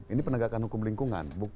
ini penegakan hukum lingkungan